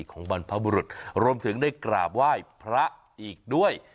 อฆิบของบรรพพรุธรวมถึงได้กราบไว้พระอีกด้วย